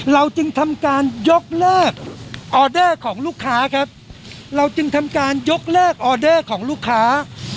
เราจึงทำการยกเลิกออเดอร์ของลูกค้าครับเราจึงทำการยกเลิกออเดอร์ของลูกค้า